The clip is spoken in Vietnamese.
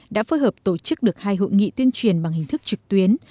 đã phối hợp tổ chức được hai hội nghị tuyên truyền bằng hình thức trực tuyến